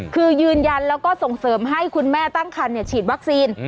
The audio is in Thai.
คือยืนยันแล้วก็ส่งเสริมให้คุณแม่ตั้งคันฉีดวัคซีน